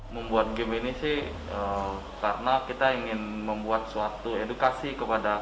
membuat game ini sih karena kita ingin membuat suatu edukasi kepada